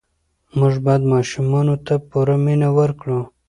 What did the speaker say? موږ باید ماشومانو ته پوره مینه ورکړو.